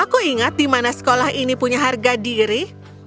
aku ingat di mana sekolah ini punya harga diri